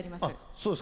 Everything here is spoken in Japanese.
そうですか。